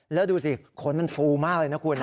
แล้วดูสิขนมันฟูมากเลยนะคุณ